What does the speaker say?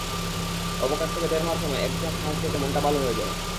অবকাশ থেকে বের হওয়ার সময় একঝাঁক হাঁস দেখে মনটা ভালো হয়ে যায়।